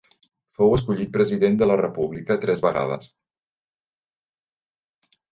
Fou escollit President de la República tres vegades.